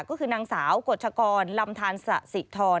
ก็คือนางสาวกฎชกรรมธรรมศสิทธร